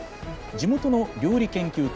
地元の料理研究家